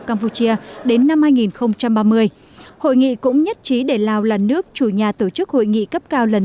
campuchia đến năm hai nghìn ba mươi hội nghị cũng nhất trí để lào là nước chủ nhà tổ chức hội nghị cấp cao lần